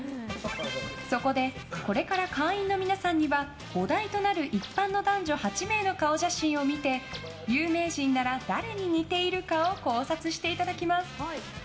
そこでこれから会員の皆さんにはお題となる一般の男女８名の顔写真を見て有名人なら誰に似ているか？を考察していただきます。